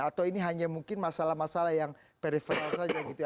atau ini hanya mungkin masalah masalah yang periferensial saja gitu ya